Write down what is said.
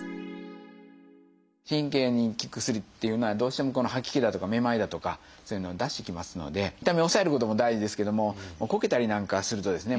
神経に効く薬っていうのはどうしても吐き気だとかめまいだとかそういうのを出してきますので痛みを抑えることも大事ですけどもこけたりなんかするとですね